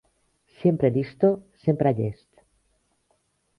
"Siempre listo", "sempre llest".